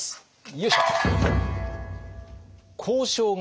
よいしょ。